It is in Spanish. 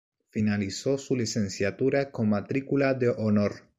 Finalizó su Licenciatura con Matrícula de Honor.